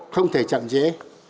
không thể chậm chế